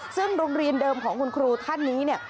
ซึ่งโรงเรียนเดิมของคุณครูท่านนี้เนี่ย